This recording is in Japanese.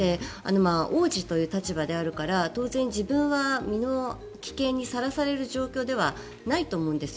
王子という立場であるから当然、自分は身の危険にさらされる状況ではないと思うんですよ。